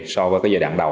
so với cái giai đoạn trước